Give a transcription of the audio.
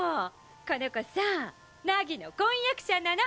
この子さ凪の婚約者なの。